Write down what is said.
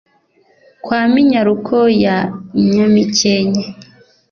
kwa minyaruko ya nyamikenke